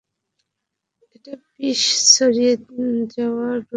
এটা বিষ ছড়িয়ে যাওয়া রোধ করে।